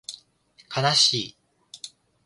かなしい